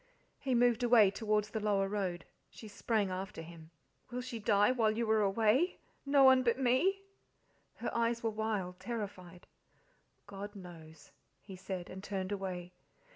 He moved away towards the lower road. She sprang after him. "Will she die while you are away? no one but me." Her eyes were wild, terrified. "God knows!" he said, and turned away.